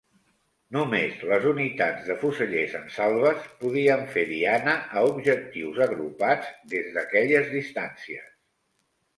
Només les unitats de fusellers en salves podien fer diana a objectius agrupats des d'aquelles distàncies.